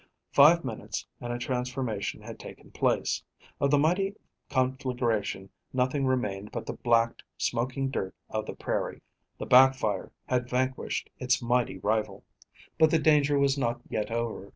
Five minutes and a transformation had taken place. Of the mighty conflagration nothing remained but the blacked, smoking dirt of the prairie. The back fire had vanquished its mighty rival. But the danger was not yet over.